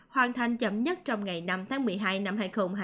hoàn thành chậm nhất trong ngày năm tháng một mươi hai năm hai nghìn hai mươi